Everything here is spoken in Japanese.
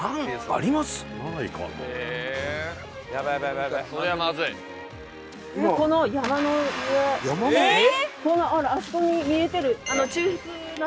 あそこに見えてる。